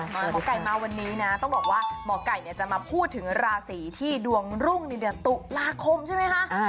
หมอไก่มาวันนี้นะต้องบอกว่าหมอไก่จะมาพูดถึงราศีที่ดวงรุ่งในเดือนตุลาคมใช่ไหมคะ